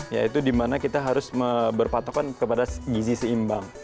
ya itu dimana kita harus berpatokan kepada gizi seimbang